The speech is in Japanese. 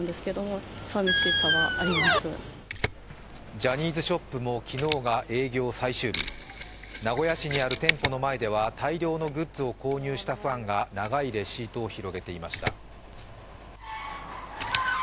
ジャニーズショップも昨日が営業最終日名古屋市にある店舗の前では大量のグッズを購入したファンが、長いレシートを広げていました。